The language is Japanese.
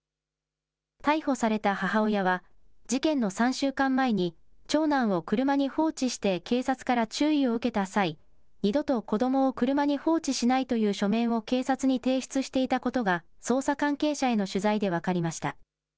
逮捕された母親は、事件の３週間前に、長男を車に放置して警察から注意を受けた際、二度と子どもを車に放置しないという書面を警察に提出していたことが、捜査関係者への取材で分かりました。